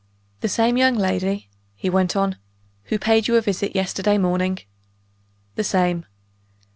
"The same young lady," he went on, "who paid you a visit yesterday morning?" "The same."